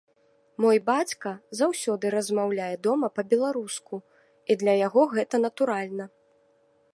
Мой бацька заўсёды размаўляе дома па-беларуску, і для яго гэта натуральна.